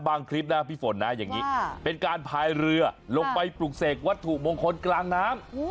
คลิปนะพี่ฝนนะอย่างนี้เป็นการพายเรือลงไปปลูกเสกวัตถุมงคลกลางน้ำ